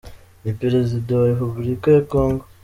Ni Perezida wa Repubulika ya Kongo .